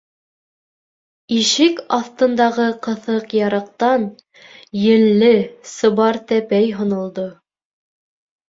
Ишек аҫтындағы ҡыҫыҡ ярыҡтан... елле сыбар тәпәй һонолдо!